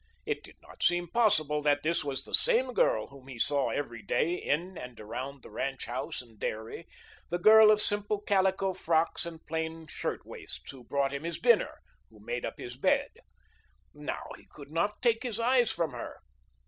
It did not seem possible that this was the same girl whom he saw every day in and around the ranch house and dairy, the girl of simple calico frocks and plain shirt waists, who brought him his dinner, who made up his bed. Now he could not take his eyes from her.